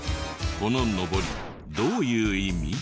こののぼりどういう意味？